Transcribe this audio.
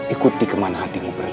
ikuti kemana hatimu pergi